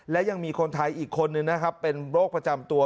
และยังมีคนไทยอีกคนนึงนะครับเป็นโรคประจำตัว